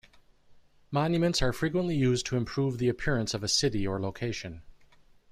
Monuments are frequently used to improve the appearance of a city or location.